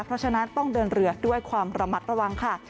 เพราะฉะนั้นต้องเดินเรือด้วยความระมัดระวังค่ะ